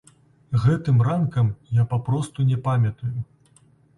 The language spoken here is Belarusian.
Гэтым ранкам я папросту не памятаю.